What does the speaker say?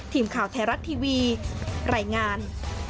ทีมข่าวแทรรักทีวีไหล่งาน